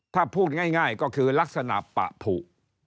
ถ้าพูดง่ายก็คือลักษณะปะผู